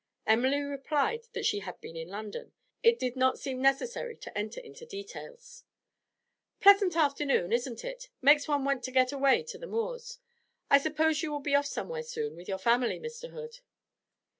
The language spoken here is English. Emily replied that she had been in London; it did not seem necessary to enter into details. 'Pleasant afternoon, isn't it? Makes one want to get away to the moors. I suppose you will be off somewhere soon with your family, Mr. Hood?'